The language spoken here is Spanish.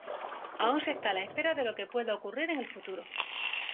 Aún se está a la espera de lo que pueda ocurrir en el futuro.